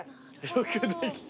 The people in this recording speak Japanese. よくできて。